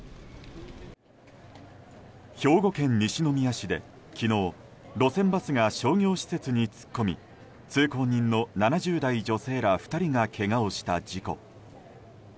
兵庫県西宮市で昨日路線バスが商業施設に突っ込み通行人の７０代女性ら２人がけがをした事故。